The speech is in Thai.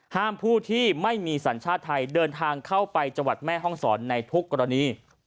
ผู้ที่ไม่มีสัญชาติไทยเดินทางเข้าไปจังหวัดแม่ห้องศรในทุกกรณี